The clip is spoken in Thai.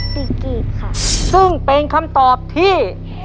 ปีกรีดค่ะซึ่งเป็นคำตอบที่